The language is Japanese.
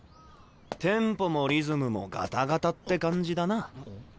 テンポもリズムもガタガタって感じだな。